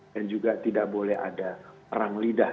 dan juga tidak boleh ada perang lidah